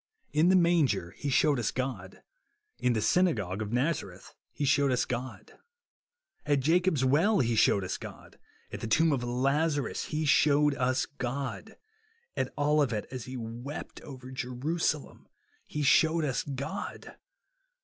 In the manger he shewed us God. In the synagogue of Nazareth he shewed us God. At Jacob's well he shewed us God. At the tomb of Lazarus he shewed us God. On Olivet, as he wept over Jerusalem, he shewed us God.